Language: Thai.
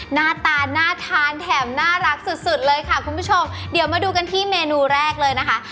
หน้าตาน่าทานแถมน่ารักสุดสุดเลยค่ะคุณผู้ชมเดี๋ยวมาดูกันที่เมนูแรกเลยนะคะ